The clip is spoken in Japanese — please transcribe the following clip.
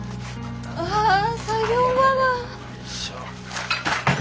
ああ作業場が。